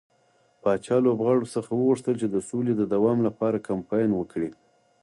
پاچا لوبغاړو څخه وغوښتل چې د سولې د دوام لپاره کمپاين وکړي.